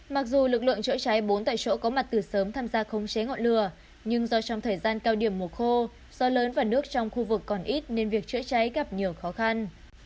mặc dù lực lượng chữa cháy bốn tại chỗ có mặt từ sớm tham gia khống chế ngọn lửa nhưng do trong thời gian cao điểm mùa khô do lớn và nước trong khu vực còn ít nên việc chữa cháy gặp nhiều khó khăn